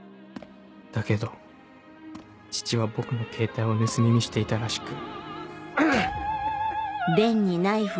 だけど父は僕のケータイを盗み見していたらしく。